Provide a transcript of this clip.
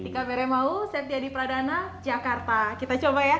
dika bere mau setia di pradana jakarta kita coba ya